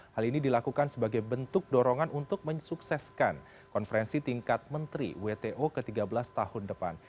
hal ini dilakukan sebagai bentuk dorongan untuk mensukseskan konferensi tingkat menteri wto ke tiga belas tahun depan